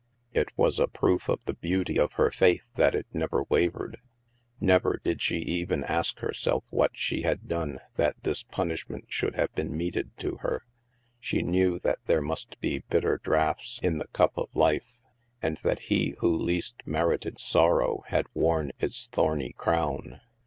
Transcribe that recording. It was a proof of the beauty of her faith that it never wavered. Never did she even ask herself what she had done that this punishment should have been meted to her. She knew that there must be bitter draughts in the cup of life, and that He who least merited sorrow had worn its thorny crown.